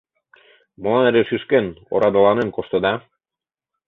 — Молан эре шӱшкен, орадыланен коштыда?